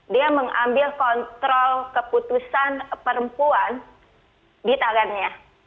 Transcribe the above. dia mengambil kontrol keputusan perempuan di tangannya